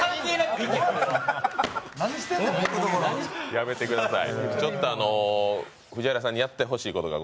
やめてください。